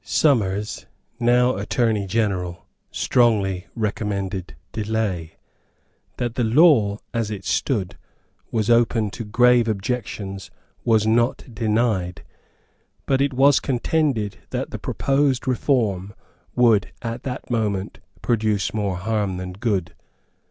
Somers, now Attorney General, strongly recommended delay. That the law, as it stood, was open to grave objections, was not denied; but it was contended that the proposed reform would, at that moment, produce more harm than good.